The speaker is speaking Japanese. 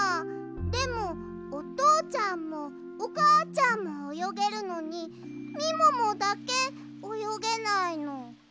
でもおとうちゃんもおかあちゃんもおよげるのにみももだけおよげないの。